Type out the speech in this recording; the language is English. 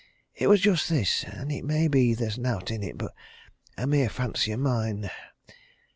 It was just this and it may be there's naught in it but a mere fancy o' mine.